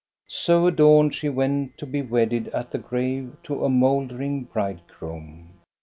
So adorned, she went to be wedded at the grave to a mouldering bridegroom.